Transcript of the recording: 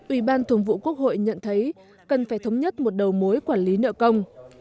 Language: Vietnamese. ủy ban thường vụ quốc hội nhận thấy cần phải thống nhất một đầu mối quản lý nợ công